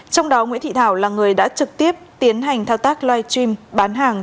trong đó nguyễn thị thảo là người đã trực tiếp tiến hành thao tác live stream bán hàng